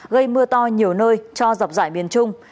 gây mưa to nhiều nơi cho dọc dài miền trung